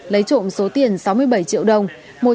lấy trộm số tiền sáu mươi bảy triệu đồng